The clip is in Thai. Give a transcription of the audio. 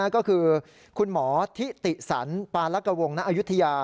ก็คือคุณหมอทิติสันปาลักวงณอายุทยา